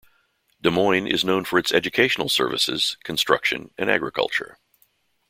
Des Moines is known for its educational services, construction, and agriculture.